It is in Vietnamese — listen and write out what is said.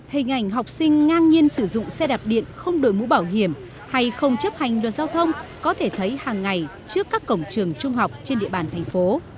hình ảnh học sinh ngang nhiên sử dụng xe đạp điện không đổi mũ bảo hiểm hay không chấp hành luật giao thông có thể thấy hàng ngày trước các cổng trường trung học trên địa bàn thành phố